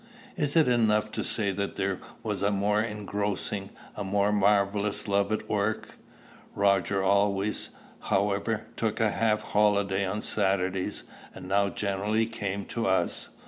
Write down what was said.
It is enough to say that there was a more engrossing, a more marvellous love at work. Roger always, however, took a half holiday on Saturdays, and now generally came to us.